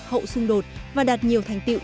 hậu xung đột và đạt nhiều thành tựu